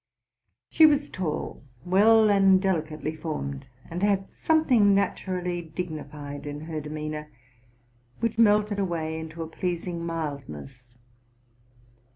She was tall, well and delicately formed, and had some thing naturally dignified in her demeanor, which melted away into a pleasing mildness.